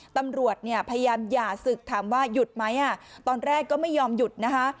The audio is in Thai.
ตำรวจเนี่ยพยายามหย่าศึกถามว่าหยุดไหมตอนแรกก็ไม่ยอมหยุดนะคะ